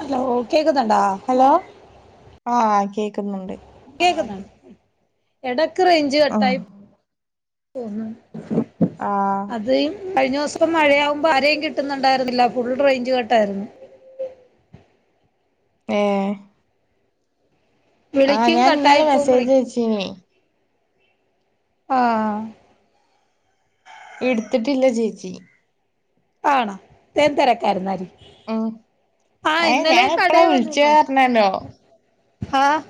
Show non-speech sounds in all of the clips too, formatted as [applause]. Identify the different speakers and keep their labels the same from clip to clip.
Speaker 1: Hello കേക്കുന്നുണ്ടാ
Speaker 2: hello ആ കേക്കുന്നുണ്ട്
Speaker 1: കേക്കുന്നോ എടക്ക് റേഞ്ച്
Speaker 2: ആഹ്
Speaker 1: കട്ടായിപോകുന്നുണ്ട്
Speaker 2: ആഹ്
Speaker 1: അതെ കഴിഞ്ഞുസം മഴയാകുമ്പോ ആരേം കിട്ടുന്നുണ്ടായിരുന്നില്ല ഫുൾ റേഞ്ച് കട്ടായിരുന്നു
Speaker 2: ഏഹ് ആഹ്
Speaker 1: വിളിക്കും കട്ടായി
Speaker 2: ഞാൻഇന്നലെ
Speaker 1: പോവും
Speaker 2: മെസ്സേജ്
Speaker 1: വിളിക്കും
Speaker 2: അയച്ചീന്നുയ്
Speaker 1: ആഹ്
Speaker 2: ഇട്ത്തിട്ടില്ല ചേച്ചി
Speaker 1: ആണോ ഞാൻ തെരക്കായിരുന്നാരി
Speaker 2: ഉ അയ്ൻ ഞാനെപ്പളാ
Speaker 1: കടേ
Speaker 2: വിളിച്ച്
Speaker 1: വന്നില്ലേ
Speaker 2: പറഞ്ഞേരനോ
Speaker 1: ആഹ്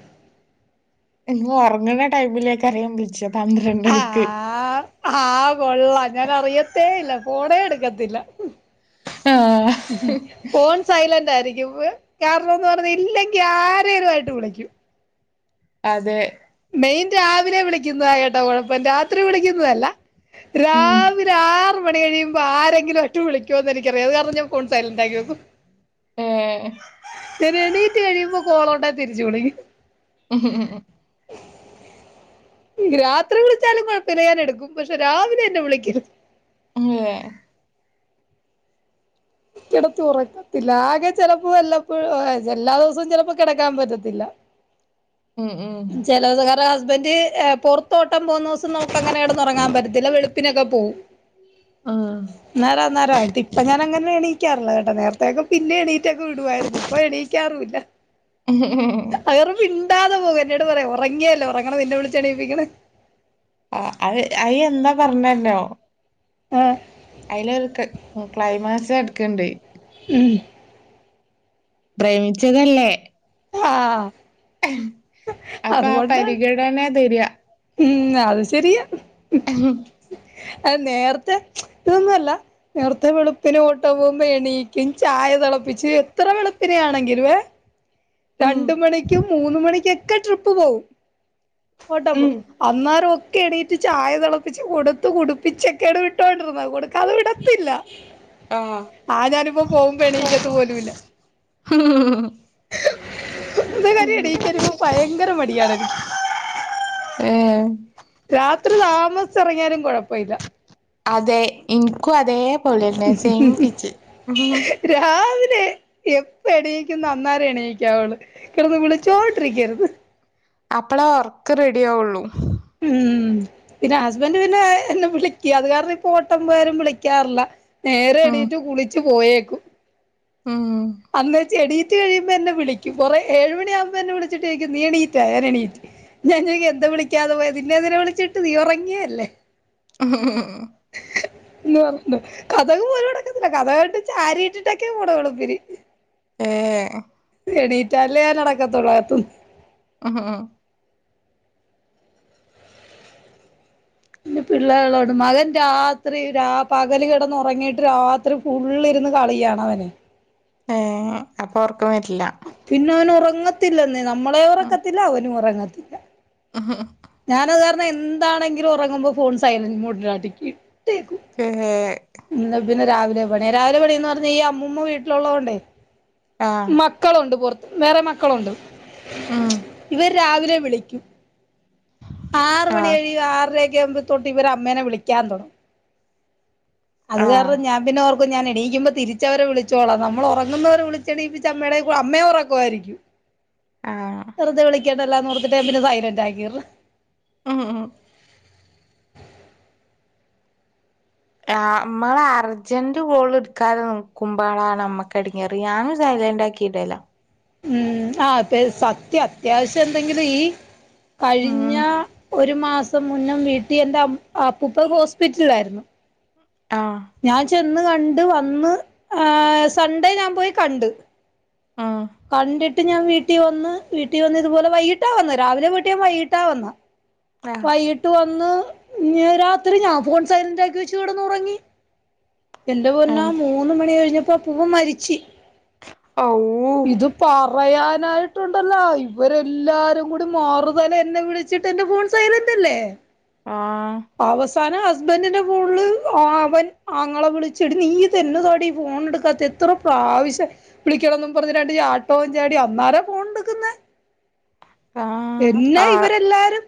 Speaker 2: എന്നും ഒറങ്ങ്ണ ടൈമിലേക്കാരം ഞാം വിളിച്ചത് പന്ത്രണ്ടണിക്ക്
Speaker 1: ആഹ് ആഹ് കൊള്ളാം ഞാൻ അറിയത്തേ ഇല്ല ഫോണേ എടുക്കത്തില്ല
Speaker 2: ആഹ്
Speaker 1: ഫോൺ സൈലന്റായിയിരിക്കും കാരണംന്ന് പറഞ്ഞ ഇല്ലെങ്കി ആരേലുആയിട്ട് വിളിക്കും
Speaker 2: അതെ
Speaker 1: മെയിൻ രാവിലെ വിളിക്കുന്നതാ കെട്ടോ കുഴപ്പം രാത്രി വിളിക്കുന്നതല്ല
Speaker 2: ഉം
Speaker 1: രാവിലെ ഒരു ആറ് മണി കഴുമ്പോ ആരെങ്കിലുംട്ട് വിളിക്കോന്ന് എനിക്കറിയ അത് കാരണം ഞാ ഫോൺ സൈലന്റ ആക്കി വെക്കും.
Speaker 2: ഏ
Speaker 1: ഞാൻ എണീറ്റ് കഴിയുമ്പോ കോളണ്ടാ തിരിച്ചു വിളിക്കും
Speaker 2: ഉം ഉം ഉം ഉം
Speaker 1: [inaudible] രാത്രി വിളിച്ചാലും കുഴപ്പില്ല്യാ എടുക്കും പക്ഷെ രാവിലെ എന്നെ വിളിക്കരുത്
Speaker 2: ഏഹ്
Speaker 1: കിടത്തി ഉറക്കത്തില്ല ആകെ ചെിലപ്പോ വല്ലപ്പോഴോ എല്ലാ ദിവസവും ചിലപ്പോ കിടക്കാൻ പറ്റത്തില്ല.
Speaker 2: ഉം ഉം
Speaker 1: ചില ദിവസം ഹസ്ബന്ഡ് പുറത്തോട്ടം പോകുന്ന ദിവസം നമുക്ക് അങ്ങനെ കിടന്നുറങ്ങാൻ പറ്റത്തില്ല വെളുപ്പിനൊക്കെ പോകും.
Speaker 2: ആഹ്
Speaker 1: ന്നാര അന്നേരമായിട്ട് ഇപ്പ ഞാന അങ്ങനെ എണീക്കാറില്ല കേട്ടോ നേരത്തേക്കെ പിന്നെ എണീറ്റൊക്കെ വിടുവമായിരുന്നു ഇപ്പോ എണീക്കാറില്ല.
Speaker 2: ഉം ഹ് ഹ്
Speaker 1: മിണ്ടാതെ പോക എന്നോട് പറയാം ഉറങ്ങിയല്ലോ ഉറങ്ങണം പിന്നെ വിളിച്ചാണീപ്പിക്ക് ണെ
Speaker 2: ആ അ അയി എന്താ പറഞ്ഞരണോ
Speaker 1: ആഹ്
Speaker 2: അയിലൊരു ഒരു ക്ലൈമാക്സ് കിടക്കണ്ട്
Speaker 1: ഉം
Speaker 2: പ്രേമിച്ചതല്ലേ?
Speaker 1: ആഹ്
Speaker 2: ആഹ് അപ്പൊ ആ പരിഗണന തരിക
Speaker 1: ഉം അത് ശെരിയ
Speaker 2: [inaudible]
Speaker 1: ആ നേരത്തെ ന്നല്ല നേരത്തെ വെളുപ്പിന് ഓട്ട പോകുമ്പോ എണീക്കും ചായ തിളപ്പിച്ച് എത്ര വെളുപ്പിനൊണെങ്കില് വെ
Speaker 2: ഉം
Speaker 1: രണ്ട് മണിക്കും മൂന്ന് മണിക്കൊക്കെ ട്രിപ്പ് പോകും ട്ടോ പ്
Speaker 2: ഉം
Speaker 1: അന്നേരം ഒക്കെ എണീറ്റ് ചായ തിളപ്പിച്ച് കൊടുത്ത് കുടിപ്പിച്ചൊക്കെടെ വിട്ടുകോണ്ടിരുന്നെ കൊടുക്കാതെ വിടത്തില്ല
Speaker 2: ആഹ്
Speaker 1: ആ ഞാനിപ്പോ പോക്മ്പോ എണീക്കത്ത് പോലും ഇല്ല. ഇന്നേരം എണീറ്റ് വരുമ്പോ ഭയങ്കര മടിയാണ് എനിക്ക്.
Speaker 2: ഏഹ്
Speaker 1: രാത്രി താമസിച്ചു ഉറങ്ങിയാലും കുഴപ്പമില്ല
Speaker 2: അതെ ഇൻക്കും അതേപോലെന്നെ സെയിപ്പിച്ച്.
Speaker 1: രാവിലെ എപ്പ എണീക്കുന്നു അന്നേരം എണീക്കവുള്ളു കിടന്ന് വിളിച്ചോണ്ടിരിക്കരുത്.
Speaker 2: അപ്പളേ ഉറക്ക് റെഡി ആവുള്ളൂ
Speaker 1: ഉം പിന്നെ ഹസ്ബൻഡ് പിന്നെ എന്നെ വിളിക്ക അത് കാരണം ഇപ്പ ഓട്ടം പോയാലും വിളിക്കാറില്ല. നേരെ
Speaker 2: ഉം
Speaker 1: എണീട്ട് കുളിച്ചു പോയേക്കും
Speaker 2: ഉം
Speaker 1: അന്ന് എണീറ്റ് കഴിയുമ്പോ എന്നെ വിളിക്കും കുറെ ഏഴ് മണിയകുമ്പോ എന്നെ വിളിചിട്ട് ചോയിക്കും നീ എണീറ്റാ ഞാൻ എണീറ്റു. ഞാൻ എന്താ വിളിക്കാതെ പോയത് നിന്നെ വിളിച്ചിട്ട് നീ ഉറങ്ങിയല്ലേ?
Speaker 2: ഉം ഉം ഹ്
Speaker 1: എന്ന് പറഞ്ഞ കതക് പോലും അടക്കത്തില്ല കതക് ചാരി ഇട്ടിട്ടൊക്കെ പോകുന്നെ വെളുപ്പിന്
Speaker 2: ഏഹ്
Speaker 1: എണീറ്റാല്ലേ ഞാൻ അടക്കത്തുള്ളൂ
Speaker 2: ഊഹുഹുഹ്ഹു
Speaker 1: പിള്ളേരുള്ളൊണ്ട് മകൻ രാത്രി രാ പകല് കിടന്നുറങ്ങിട്ട് രാത്രി രാത്രി ഫുുള്ളിരുന്ന് കളിയാണ് അവന്
Speaker 2: ഏ അപ്പൊ ഉറക്കം വരില്ല
Speaker 1: പിന്നെ അവൻ ഉറങ്ങത്തില്ലെന്നേ നമ്മളെയും ഉറക്കത്തില്ല അവനും ഉറങ്ങത്തില്ല
Speaker 2: മ്മ് ഹ്
Speaker 1: ഞാനത് കാരണം എന്താണെങ്കിലും ഉറങ്ങുമ്പോ ഫോൺ സൈലന്റ് മോഡിലേക്ക് ഇട്ടേക്കും
Speaker 2: കെ ഏഹ്
Speaker 1: പിന്നെ രാവിലെ പണിയാ രാവിലെ പണി എന്ന് പറഞ്ഞാ ഈ അമ്മൂമ്മ വീട്ടിലുള്ളതു കൊണ്ടേ
Speaker 2: ആഹ്
Speaker 1: മക്കളുണ്ട് പുറത്ത് വേറെ മക്കളുണ്ട്
Speaker 2: ഉം
Speaker 1: ഇവര് രാവിലെ വിളിക്കും ആറ് മണി
Speaker 2: ആഹ്
Speaker 1: കഴിയും ആറര ഒക്കെ ആകുമ്പോ തൊട്ട് ഇവര് അമ്മേനെ വിളിക്കാൻ തൊടങ്ങും അത്
Speaker 2: ആഹ്
Speaker 1: കാരണം ഞാൻ പിന്നെ ഓർക്കും ഞാൻ എണീക്കുമ്പോൾ തിരിച്ച് അവരെ വിളിച്ചോളാം നമ്മളുറങ്ങുന്നവരെ വിളിച്ച് എണീപ്പിച്ച് അമ്മയുടെയും അമ്മയും ഉറക്കുമായിരിക്കും
Speaker 2: ആഹ്
Speaker 1: വെറുതെ വിളിക്കണ്ടല്ലോന്ന് ഓർത്തിട്ട് ഞാൻ പിന്നെ സൈലന്റ് ആക്കിയിടല്
Speaker 2: ഉം ഉം ആഹ് നമ്മള് അർജന്റ് കോള് എടുക്കാതെ നോക്കുമ്പോഴാണ് ഞമ്മക്ക് എടങ്ങാറ് ഞാന് സൈലൻ്റാക്കി കിടല
Speaker 1: മ്മ് അതെ സത്യം അത്യാവശ്യം എന്തെങ്കിലും ഈ കഴിഞ്ഞ
Speaker 2: ഉം
Speaker 1: ഒരു മാസം മുന്നെ വീട്ടിൽ എൻറെ അപ്പ് അപ്പൂപ്പൻ ഹോസ്പിറ്റലിലായിരുന്നു
Speaker 2: ആഹ്
Speaker 1: ഞാൻ ചെന്ന് കണ്ട് വന്ന് ഏഹ് സൺഡേ ഞാൻ പോയി കണ്ട്
Speaker 2: ആഹ്
Speaker 1: കണ്ടിട്ട് ഞാൻ വീട്ടിൽ വന്ന് വീട്ടിൽ വന്ന് ഇതുപോലെ വൈകിട്ട വന്നെ രാവിലെ പോയിട്ട് ഞാൻ വൈകീട്ടാ വന്നെ
Speaker 2: [inaudible]
Speaker 1: വൈകിട്ട് വന്ന് രാത്രി ഞാൻ ഫോൺ സൈലന്റ് ആക്കി വെച്ച് കെടന്ന് ഉറങ്ങി എന്റെ പൊന്നൊ
Speaker 2: ഉം
Speaker 1: മൂന്ന് മണി കഴിഞ്ഞപ്പോ പൂവൻ മരിച്ചു
Speaker 2: അവൂ
Speaker 1: ഇത് പറയാനായിട്ടുണ്ടല്ലോ ഇവരെല്ലാരും കൂടി മറുതല എന്നെ വിളിച്ചു വിളിച്ചിട്ട് എന്റെ ഫോൺ സൈലൻ്റല്ലേ
Speaker 2: ആഹ് ഹ്
Speaker 1: അവസാനം ഹസ്ബൻഡിന്റെ ഫോണില് അവൻ ആങ്ങള വിളിച്ച് എടി നീ ഇതെന്നതാടി ഫോൺ എടുക്കാത്തെ എത്ര പ്രാവശ്യം വിളിക്കണന്നും പറഞ്ഞ് രണ്ട് ചാട്ടോം ചാടി അന്നേര ഫോണെടുക്കുന്നെ
Speaker 2: ആഹ്
Speaker 1: എന്നേ
Speaker 2: ആഹ്
Speaker 1: ഇവരെല്ലാരും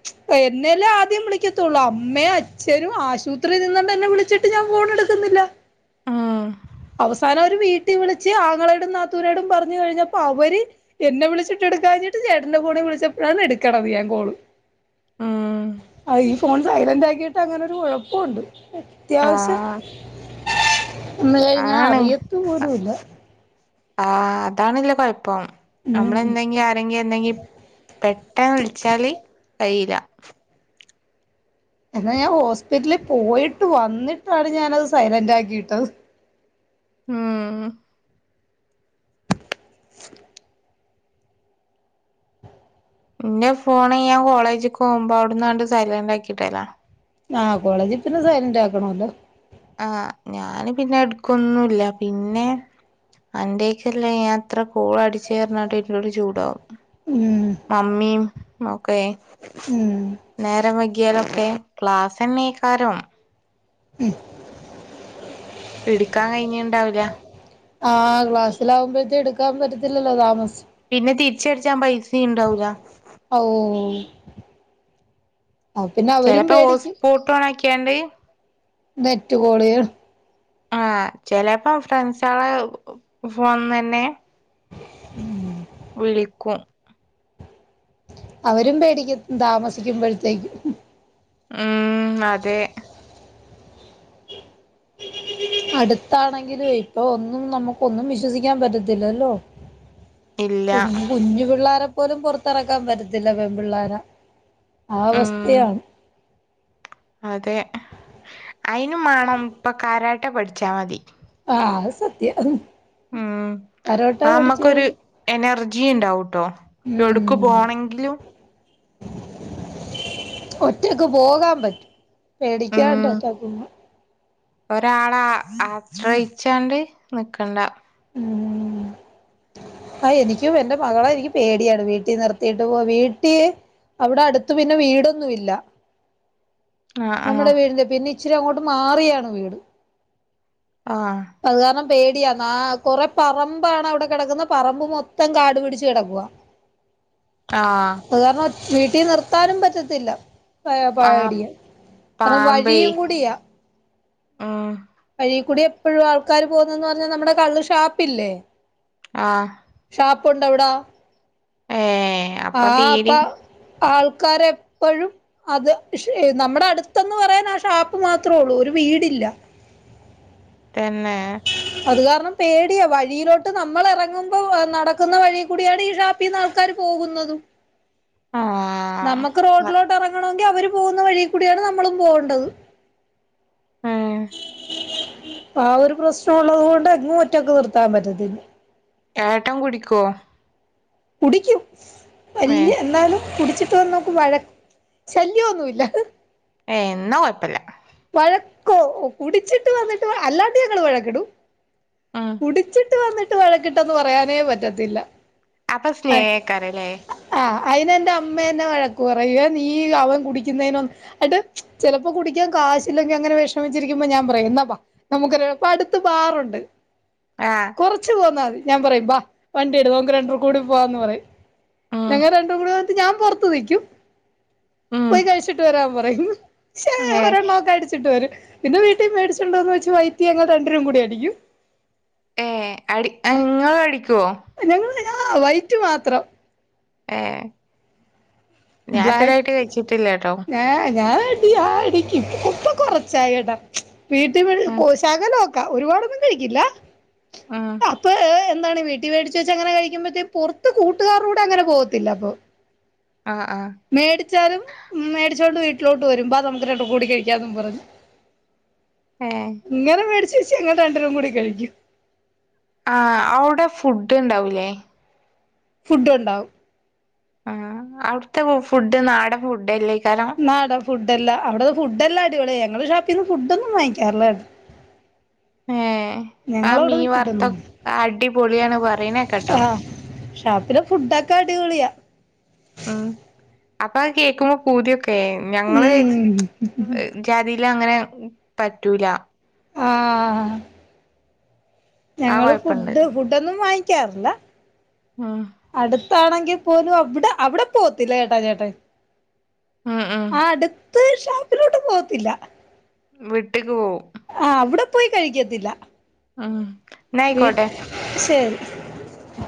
Speaker 1: എന്നെയല്ലേ ആദ്യം വിളിക്കത്തുള്ളൂ അമ്മേയും അച്ഛനും ആശുപത്രിയിൽ നിന്നണ്ട് എന്നെ വിളിച്ചിട്ട് ട്ട് ഞാൻ ഫോണെടുക്കുന്നില്ല
Speaker 2: ആഹ്
Speaker 1: അവസാനം അവര് വീട്ടിൽ വിളിച്ച് ആങ്ങളോടും നാത്തൂനോടും പറഞ്ഞു കഴിഞ്ഞപ്പോ അവര് എന്നെ വിളിച്ചിട്ട് എടുക്കാഞ്ഞിട്ട് ചേട്ടന്റെ ഫോണെ വിളിച്ചപ്പോഴാണ് എടുക്കണത് ഞാൻ കോള്
Speaker 2: ഉം
Speaker 1: ആഹ് ഈ ഫോൺ സൈലന്റ് ആക്കിട്ട് അങ്ങനൊരു കുഴപ്പമുണ്ട് അത്യാവശ്യം
Speaker 2: ആഹ്
Speaker 1: ഞാൻ
Speaker 2: ആണ്
Speaker 1: അറിയത്ത് പോലും ഇല്ല
Speaker 2: ആഹ് അതാണല്ലോ കുയപ്പം നമ്മള്
Speaker 1: ഉം
Speaker 2: എന്തെങ്കിലും ആരെങ്കിലും എന്തെങ്കിലും പെട്ടന്ന് വിളിച്ചാല് കയിയില്ല
Speaker 1: എന്നാൽ ഞാൻ ഹോസ്പിറ്റലിൽ പോയിട്ട് വന്നിട്ടാണ് ഞാനത് സൈലന്റ് ആക്കി ഇട്ടത്
Speaker 2: മ്മ് ഇന്റെ ഫോണ് ഞാൻ കോളേജ്ക്ക് പോകുമ്പോ അവിടന്നാണ്ട് സൈലന്റ് ആക്കിയിടല്ലാ
Speaker 1: ആഹ് കോളേജിൽ പിന്നെ സൈലന്റ് ആക്കണല്ലോ
Speaker 2: ആഹ് ഞാന് പിന്നെ എടുക്കൊന്നുമില്ല പിന്നെ അന്റെക്കല്ല ഞാൻ എത്ര കോള് അടിച്ച് പറഞ്ഞിട്ട് എന്നോട് ചൂടാവും
Speaker 1: ഉം
Speaker 2: മമ്മിയും മൊക്കെ
Speaker 1: ഉം
Speaker 2: നേരം വൈകിയാലൊക്കെ ക്ലാസ് തന്നെയികാരം
Speaker 1: മ്മ്
Speaker 2: എടുക്കാൻ കഴിഞ്ഞിണ്ടാവില്ല
Speaker 1: ആഹ് ക്ലാസ്സില ആകുമ്പോഴത്തുംടുക്കാൻ പറ്റത്തില്ലല്ലോ താമസം
Speaker 2: പിന്നെ തിരിച്ചടിച്ചാ പൈസിംണ്ടാവൂല
Speaker 1: ഓഹ് അപ്പൊ പിന്നെ അവരും പേടിക്കും
Speaker 2: ഫോണക്കിയാണ്ട്
Speaker 1: നെറ്റു കോളികൾ
Speaker 2: ആഹ് ചെലെപ്പോ ഫ്രണ്ട്സാളെ ഫോണിന്നന്നെ
Speaker 1: ഉം..
Speaker 2: വിളിക്കും
Speaker 1: അവരും പേടിക്കും താമസിക്കുമ്പോഴത്തേക്കും
Speaker 2: ഉം അതെ
Speaker 1: അടുത്താണെങ്കിലയ് ഇപ്പൊ ഒന്നും നമുക്കൊന്നും വിശ്വസിക്കാൻ പറ്റത്തില്ലല്ലോ
Speaker 2: ഇല്ല
Speaker 1: കുഞ് കുഞ്ഞു പിള്ളോരെ പോലും പൊറത്തിറക്കാൻ പറ്റത്തില്ല പെൺ പിള്ളോര
Speaker 2: ഉം
Speaker 1: ആവസ്ഥയാണ്
Speaker 2: അതെ അയിനുമാണം ഇപ്പ കാരാട്ടെ പഠിച്ചാ മതി
Speaker 1: ആഹ് സത്യം
Speaker 2: ഉം
Speaker 1: തരോട്ട
Speaker 2: ആ
Speaker 1: പഠിച്ചേ
Speaker 2: മ്മക്കൊരു എനർജിണ്ടാവുട്ടോ എടുക്ക്
Speaker 1: ഉം
Speaker 2: പോണങ്കിലും
Speaker 1: ഒറ്റക്ക് പോകാൻ പറ്റും പേടിക്കാണ്ട് ഒറ്റക്ക്
Speaker 2: ഒരാളാ ആശ്രയിച്ചാണ്ട് നിക്കണ്ട
Speaker 1: ഉം ആ എനിക്കും എന്റെ മകളെ എനിക്ക് പേടിയാണ് വീട്ടി നിർത്തിട്ട് പോവാ വീട്ടി... അവിടെ അടുത്ത് പിന്നെ വീടൊന്നുല്ല
Speaker 2: ആ ആ
Speaker 1: നമ്മുടെ വീടിന്റെ പിന്നി ഇച്ചിരി അങ്ങോട്ട് മാറിയാണ് വീട്
Speaker 2: ആഹ്
Speaker 1: അത് കാരണം പേടിയാ ന്നാ കൊറെ പറമ്പാണ് അവിടെ കെടക്കുന്നെ.. പറമ്പ് മൊത്തം കാടു പിടിച്ച് കെടക്കുവ
Speaker 2: ആഹ്
Speaker 1: അത് കാരണം വീട്ടി നിർത്താനും പറ്റത്തില്ല പയ
Speaker 2: ആ ആ
Speaker 1: പാടിയ കാര്ണം
Speaker 2: പാമ്പേ
Speaker 1: വഴിയും കൂടിയാ
Speaker 2: ഉം
Speaker 1: വഴി കൂടി എപ്പോഴും ആൾക്കാാര് പോകുന്നെന്ന് പറഞ്ഞാ നമ്മുടെ കള്ള് ഷാപ്പില്ലേ
Speaker 2: ആഹ്
Speaker 1: ഷാപ്പുണ്ടവിടാ
Speaker 2: ഏ
Speaker 1: ആ
Speaker 2: അപ്പൊ
Speaker 1: അപ്പ
Speaker 2: തീരിം
Speaker 1: ആൾക്കാരെപ്പഴും അത് ശ് നമ്മടെ അടുത്തന്ന് പറയാൻ ആ ഷാപ്പ് മാത്രേ ഉള്ളൂ ഒരു വീടില്ല
Speaker 2: തന്നെ
Speaker 1: അത് കാരണം പേടിയ വഴിയിലോട്ട് നമ്മൾ ഇറങ്ങുമ്പോ നടക്കുന്ന വഴി കൂടിയാണ് ഈ ഷാപ്പ് ഷാപ്പിന്ന് ആൾക്കാാര് പോകുന്നതും
Speaker 2: ആഹ്
Speaker 1: നമ്മക്ക് റോഡിലോട്ട് ഇറങ്ങണങ്കി അവര് പോകുന്ന വഴി കൂടിയാണ് നമ്മളും പോകണ്ടത്
Speaker 2: ഉം
Speaker 1: ആ ഒരു പ്രശ്നം ഉള്ളത് കൊണ്ട് എങ്ങും ഒറ്റക് നിർത്താൻ പറ്റത്തില്ല
Speaker 2: ഏട്ടം കുടിക്കോ
Speaker 1: കുടിക്കൂ
Speaker 2: ഏ
Speaker 1: വല്യ എന്നാലും കുടിച്ചിട്ട് വന്നു വയക്ക് ശല്യന്നുല്ല
Speaker 2: ഏയ്ന്നാ കുഴപ്പല്ല
Speaker 1: വഴക്കോ കുടിച്ചിട്ട് വന്നിട്ട് വ അല്ലാണ്ട് ഞങ്ങള് വഴക്കിടും
Speaker 2: ഉം
Speaker 1: കുടിച്ചിട്ട് കുടിച്ചിട്ട് വന്നിട്ട് വയകിട്ടെന്ന് പറയാനേ പറ്റത്തില്ല
Speaker 2: അപ്പ സ്നേഹക്കാരം ല്ലേ
Speaker 1: ആ അതിനെ ന്റെ അമ്മേന്നെ വഴക്ക് പറയും നീ അവൻ കുടിക്കുന്നതിനൊന്ന് ന്നട്ട് ചിലപ്പോ കുടിക്കാൻ കാശിലെങ്കി അങ്ങനെ വിഷമിച്ചിരിക്കുമ്പോ ഞാൻ പറയും എന്നാ നമുക്ക് അടുത്ത് ബാറുണ്ട്
Speaker 2: ആഹ്
Speaker 1: കുറച്ച് പോന്നാ മതി ഞാൻ പറയും ബാ വണ്ടി എടു ഞമ്മക്ക് രണ്ടൂർ കൂടി പോവാന്ന് പറയും
Speaker 2: ഉം
Speaker 1: ഞങ്ങ രണ്ടും കൂടെ ന്നിട്ട് ഞാൻ പൊറത്ത് നിക്കും
Speaker 2: ഉം
Speaker 1: പോയി കഴിച്ചിട്ട് വരാൻ പറയും
Speaker 2: ഏ
Speaker 1: ഒരെണ്ണം ഒക്കെ അടിച്ചിട്ട് വരും പിന്നെ വീട്ടിൽ മേടിച്ചുണ്ടോന്ന് വെച്ച് വൈകിട്ട് ഞങ്ങൾ രണ്ട് പേരും കൂടി അടിക്കും
Speaker 2: ഏഹ് അടി ഇങ്ങളടിക്കോ
Speaker 1: ഞങ്ങള് ആ വൈറ്റ് മാത്രം
Speaker 2: ഏഹ് ഞാൻ ഇതേരായിട്ട് കഴിച്ചിട്ടില്ല ട്ടോ
Speaker 1: ഏ ഞാൻ അടി ആടിക്കും ഇപ്പം കൊറച്ചായി കേട്ടോ വീട്ട
Speaker 2: ഉം
Speaker 1: കോ -ശകലോക്കെ നോക്ക ഒരുപാടൊന്നും കഴിക്കില്ല
Speaker 2: ഉം
Speaker 1: അപ്പൊ എന്താണ് വീട്ടിൽ മേടിച്ച് വെച്ച് അങ്ങനെ കഴിക്കുമ്പഴത്തെക്ക് പുറത്ത് കൂട്ടുകാരുടെ കൂടങ്ങനെ പോവത്തില്ല അപ്പൊ
Speaker 2: ആഹ് ആഹ്
Speaker 1: മേടിച്ചാലും മേടിച്ചോണ്ട് വീട്ടിലോട്ട് വരും ബാ നമുക്ക് രണ്ടൂർക്കും കൂടി കഴിക്കാംന്നും പറഞ്ഞു
Speaker 2: ഏഹ്
Speaker 1: ഇങ്ങനെ മേടിച്ച് വെച്ച് ഞങ്ങൾ രണ്ടെരും കൂടി കഴിക്കും
Speaker 2: ആ അവ്ടെ ഫുഡ് ഉണ്ടാവൂല്ലേ
Speaker 1: ഫുഡ്ണ്ടാവും
Speaker 2: ആ അവിടുത്തെ ഫുഡ് നാടൻ ഫുഡ് അല്ലേക്കാരം
Speaker 1: നാടൻ ഫുഡല്ല അവിട ഫുഡ്ഡല്ലാം അടിപൊളിയാ ഞങ്ങള് ഷാപ്പിന്ന് ഫുഡോന്നും വാങ്ങിക്കാറില്ലാ
Speaker 2: ഏ ആ മീൻ
Speaker 1: ഞങ്ങളവിടുന്ന് ഫുഡൊന്നും
Speaker 2: വർത്തൊക്കെ അടിപൊളിയാണ് പറിയ്ണെ കേക്കട്ടോ
Speaker 1: ആഹ് ഷാപ്പിലെ ഫുഡൊക്കെ അടിപൊളിയാ
Speaker 2: ഉം അപ്പൊ അത് കേൾക്കുമ്പോ പൂതിയൊക്കെ ഞങ്ങള്
Speaker 1: ഉം
Speaker 2: ജാതി ല് അങ്ങനെ പറ്റൂല
Speaker 1: ആ
Speaker 2: ആ
Speaker 1: ഞങ്ങള്
Speaker 2: കൊഴപ്പുണ്ട്
Speaker 1: ഫുഡ് ഫുഡൊന്നും വാങ്ങിക്കാറില്ല
Speaker 2: ആഹ
Speaker 1: അടുത്താണെങ്കിൽ പോലും അവിടെ അവിടെ പോകത്തില്ല ചേട്ടാ ചേട്ടായി
Speaker 2: ഉം ഉം
Speaker 1: ആ അടുത്ത് ഷാപ്പിലോട്ടും പോവത്തില്ല
Speaker 2: വിട്ട്ക്ക് പോവും
Speaker 1: ആ അവിടെ പോയി കഴിക്കത്തില്ല
Speaker 2: ആഹ്
Speaker 1: വീട്ട് ശരി
Speaker 2: ഉം